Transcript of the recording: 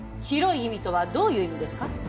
広い意味とはどういう意味ですか？